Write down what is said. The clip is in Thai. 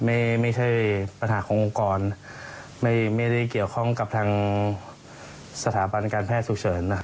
ไม่ใช่ปัญหาขององค์กรไม่ได้เกี่ยวข้องกับทางสถาบันการแพทย์ฉุกเฉิน